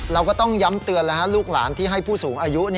เราก็ต้องย้ำเตือนลูกหลานที่ให้ผู้สูงอายุ